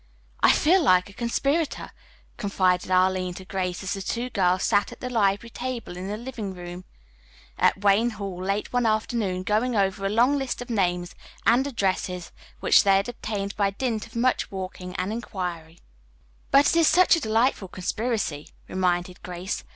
"I feel like a conspirator," confided Arline to Grace as the two girls sat at the library table in the living room at Wayne Hall late one afternoon going over a long list of names and addresses which they had obtained by dint of much walking and inquiring. "But it is such a delightful conspiracy," reminded Grace.